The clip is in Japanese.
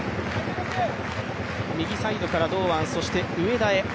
右サイドから堂安そして、上田へ。